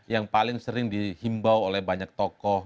yang paling sering dihimbau oleh banyak tokoh